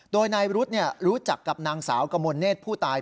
โดยนายรุธรู้จักกับนางสาวกมลเนธผู้ตาย